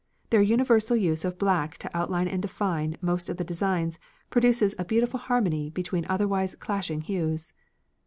Their universal use of black to outline and define most of the designs produces a beautiful harmony between otherwise clashing hues.